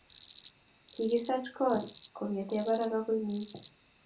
Kikisach koot kongete barak agoi ngweny